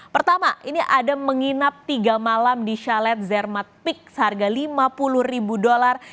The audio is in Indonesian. pertama ini ada menginap tiga malam di chalet zermatt picks harga lima puluh ribu dolar